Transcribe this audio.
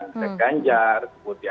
sebenarnya ganjar putian prabowo dan anis